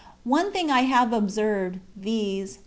One thing I have observed, viz.